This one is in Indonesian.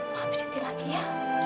mohon bercuti lagi ya